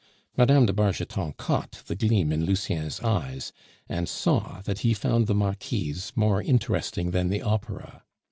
Mme. de Bargeton caught the gleam in Lucien's eyes, and saw that he found the Marquise more interesting than the opera.